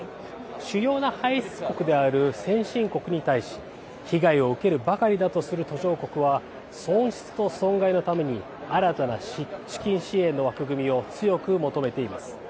主要な排出国である先進国に対し被害を受けるばかりだとする途上国は損失と損害のために新たな資金支援の枠組みを強く求めています。